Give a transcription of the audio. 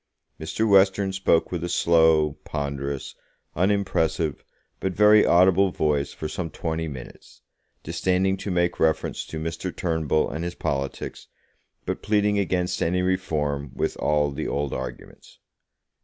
Mr. Western spoke with a slow, ponderous, unimpressive, but very audible voice, for some twenty minutes, disdaining to make reference to Mr. Turnbull and his politics, but pleading against any Reform, with all the old arguments.